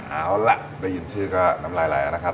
เอาล่ะได้ยินชื่อก็น้ำลายไหลแล้วนะครับ